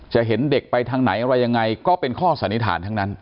เห็นเด็กไปทางไหนอะไรยังไงก็เป็นข้อสันนิษฐานทั้งนั้น